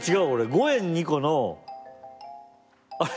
５円２個のあれ？